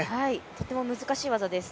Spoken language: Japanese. とても難しい技です。